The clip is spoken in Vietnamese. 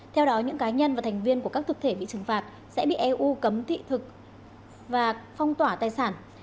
theo đó những cá nhân và thành viên của các thực thể bị trừng phạt sẽ bị eu cấm thị thực và phong tỏa tài sản